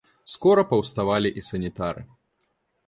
Скора паўставалі і санітары.